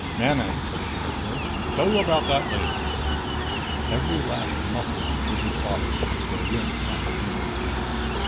"Manon," said the Commissioner. "Tell you about that later." Every last muscle in Trigger's body seemed to go limp simultaneously.